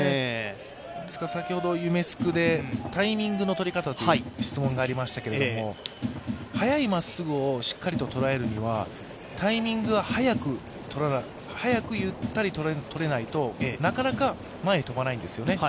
先ほど夢すくでタイミングの取り方という質問がありましたけれども、速いまっすぐをしっかりと捉えるには、タイミングを早くゆったりとれないと、なかなか前に飛ばないんですよね。